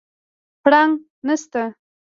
پړانګ نسته